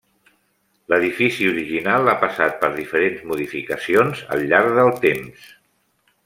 L'edifici original ha passat per diferents modificacions al llarg del temps.